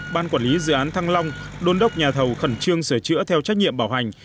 ban quản lý dự án thăng long đôn đốc nhà thầu khẩn trương sửa chữa theo trách nhiệm bảo hành